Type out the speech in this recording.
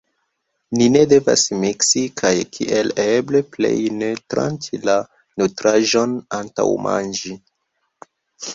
Ni ne devas miksi, kaj kiel eble plej ne tranĉi la nutraĵon antaŭ manĝi.